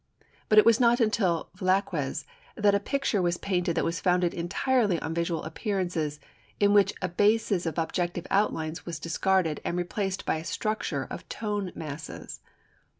But it was not until Velazquez that a picture was painted that was founded entirely on visual appearances, in which a basis of objective outlines was discarded and replaced by a structure of tone masses.